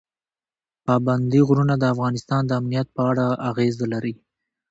پابندي غرونه د افغانستان د امنیت په اړه اغېز لري.